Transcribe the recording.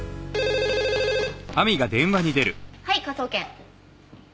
はい科捜研。